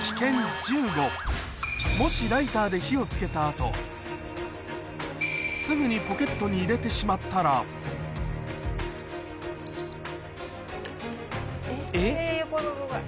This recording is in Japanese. もしライターで火を付けた後すぐにポケットに入れてしまったら怖い怖い怖い。